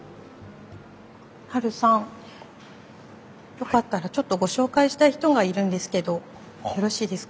よかったらちょっとご紹介したい人がいるんですけどよろしいですか？